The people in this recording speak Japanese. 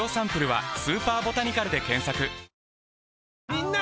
みんな！